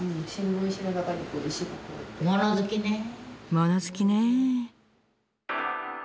物好きねぇ。